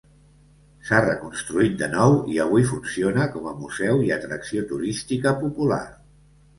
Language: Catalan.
S'ha reconstruït de nou i avui funciona com a museu i atracció turística popular.